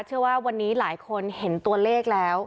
เชื่อว่าวันนี้หลายคนเห็นตัวเลขแล้ว